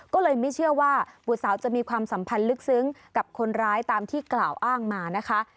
ก็เลยไม่เชื่อว่าบุตรสาวจะมีความสัมพันธ์ลึกซึ้งกับคนร้ายตามที่กล่าวอ้างมานะคะ